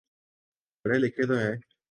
پڑھے لکھے تو ہیں۔